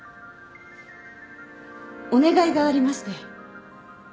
お願いがありまして。